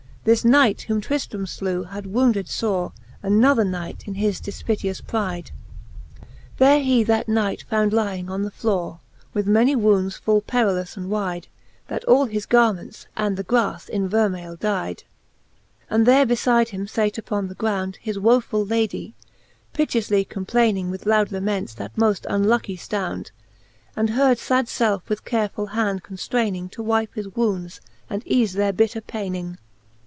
This knight, whom Trijiram flew, had wounded fore Another knight in his defpiteous pryde: There he that knight found lying on the flore, With many wounds full perilous and wyde, That all his garments and the grafle in vermeill dyde. XLI. And there befide him fate upon the ground His wofuU Ladie, piteoufly complayning With loud laments that mofl: unluckie ftound, And her fad felfe with carefuU hand conftrayning To wype his wounds, and eafe their bitter payning.